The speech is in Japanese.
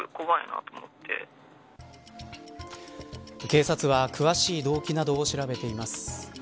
警察は詳しい動機などを調べています。